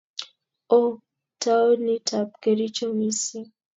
Ooh taonit ap Kericho mising'.